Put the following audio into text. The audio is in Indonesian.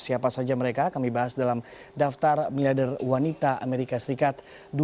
siapa saja mereka kami bahas dalam daftar miliarder wanita amerika serikat dua ribu dua puluh